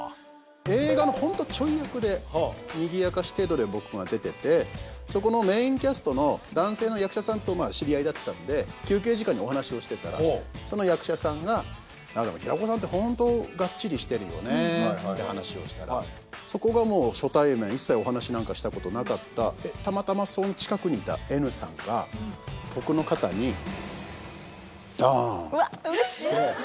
映画の本当ちょい役で、にぎやかし程度で僕が出てて、そこのメインキャストの男性の役者さんと知り合いだったんで、休憩時間にお話をしてたら、その役者さんが、平子さんって本当がっちりしてるよねって話をして、そこが初対面、一切、お話なんかしたことなかった、たまたまその近くにいたＮさんが、僕の肩にどーん。